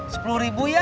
sepuluh ribu ya